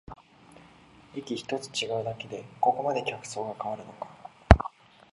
駅ひとつ違うだけでここまで客層が変わるのか